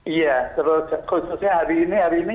iya terus khususnya hari ini